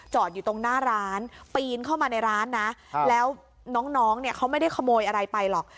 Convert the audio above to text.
อยู่ตรงหน้าร้านปีนเข้ามาในร้านนะแล้วน้องเนี่ยเขาไม่ได้ขโมยอะไรไปหรอก